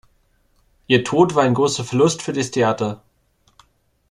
Ihr Tod war ein großer Verlust für das Theater.